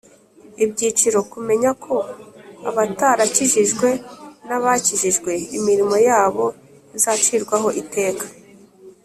iby'igiciro kumenya ko abatarakijijwe n'abakijijwe imirimo yabo izacirwaho iteka.